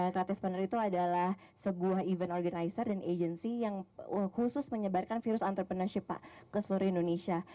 creative partner itu adalah sebuah event organizer dan agency yang khusus menyebarkan virus entrepreneurship ke seluruh indonesia